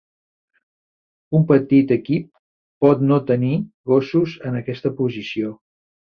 Un petit equip pot no tenir gossos en aquesta posició.